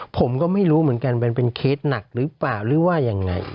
ผมก็ไม่รู้เหมือนกันมันเป็นเคสหนักหรือเปล่าหรือว่ายังไง